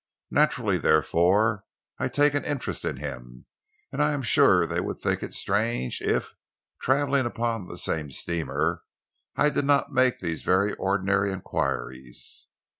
Naturally, therefore, I take an interest in him, and I am sure they would think it strange if, travelling upon the same steamer, I did not make these very ordinary enquiries."